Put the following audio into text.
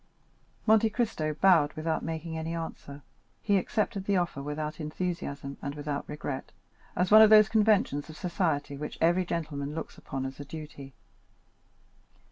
Monte Cristo bowed without making any answer; he accepted the offer without enthusiasm and without regret, as one of those conventions of society which every gentleman looks upon as a duty.